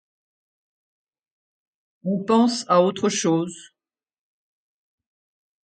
On pense à autre chose.